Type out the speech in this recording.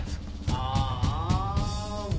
ああ。